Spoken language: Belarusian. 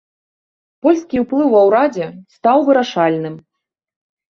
Польскі ўплыў ва ўрадзе стаў вырашальным.